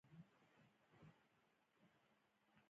د نوروز مراسمو لپاره کابل ته وباله.